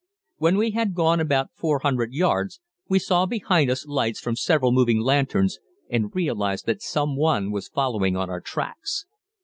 When we had gone about 400 yards we saw behind us lights from several moving lanterns and realized that some one was following on our tracks.